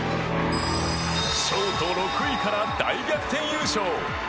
ショート６位から大逆転優勝！